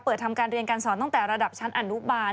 ทำการเรียนการสอนตั้งแต่ระดับชั้นอนุบาล